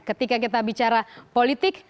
ketika kita bicara politik